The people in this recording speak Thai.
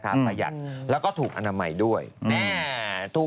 สนุนโดยดีที่สุดคือการให้ไม่สิ้นสุด